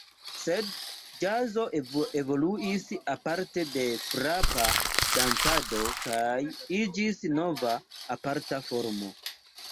Sed ĵazo evoluis aparte de frapa dancado kaj iĝis nova aparta formo.